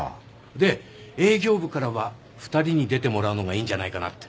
で営業部からは２人に出てもらうのがいいんじゃないかなって。